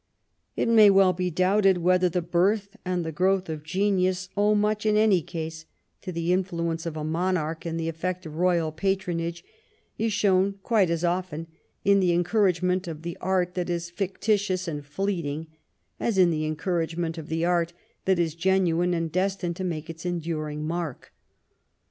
It may well be doubted whether the birth and the growth of genius owe much, in any case, to the influence of a monarch, 43 ■'*^'^* THE REIGN OP QUEEN ANNE and the effect of royal patronage is shown quite as often in the encouragement of the art that is fictitious and fleeting as in the encouragement of the art that is genuine and destined to make its enduring mark.